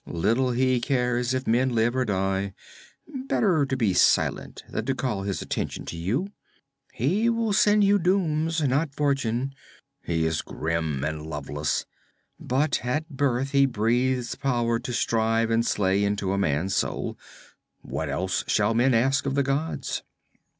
Little he cares if men live or die. Better to be silent than to call his attention to you; he will send you dooms, not fortune! He is grim and loveless, but at birth he breathes power to strive and slay into a man's soul. What else shall men ask of the gods?'